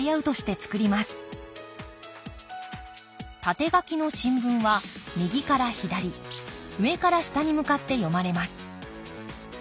縦書きの新聞は右から左上から下に向かって読まれます